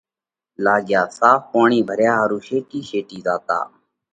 لاڳيا صاف پوڻِي ڀريا ۿارُو شيٽي شيتي زاتا۔